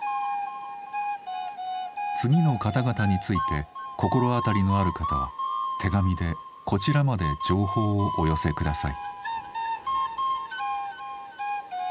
次の方々について心当たりのある方は手紙でこちらまで情報をお寄せ下さい。